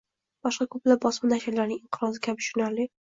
boshqa ko‘plab bosma nashrlarning inqirozi kabi tushunarli